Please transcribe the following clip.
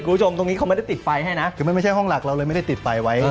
ตรงนี้เขาไม่ได้ติดไฟให้นะคือมันไม่ใช่ห้องหลักเราเลยไม่ได้ติดไฟไว้